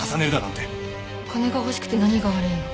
お金が欲しくて何が悪いの？